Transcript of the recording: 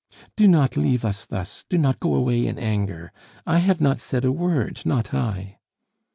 "Do not leave us thus do not go away in anger. I have not said a word not I!"